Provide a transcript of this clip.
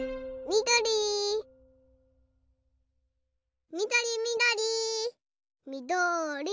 みどりみどり。